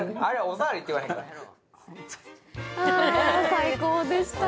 最高でした。